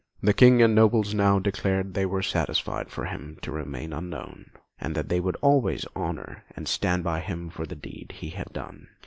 The King and nobles now declared they were satisfied for him to remain unknown, and that they would always honour and stand by him for the deed he had done.